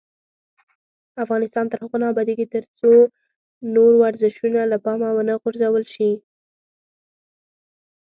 افغانستان تر هغو نه ابادیږي، ترڅو نور ورزشونه له پامه ونه غورځول شي.